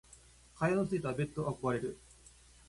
蚊帳のついたベット憧れる。